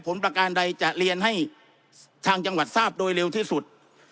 ประการใดจะเรียนให้ทางจังหวัดทราบโดยเร็วที่สุด